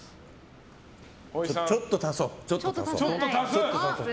ちょっと足そう。